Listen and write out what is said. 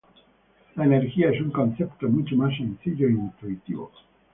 La energía es un concepto mucho más sencillo e intuitivo.